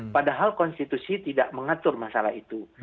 padahal konstitusi tidak mengatur masalah itu